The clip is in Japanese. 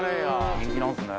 人気なんですね。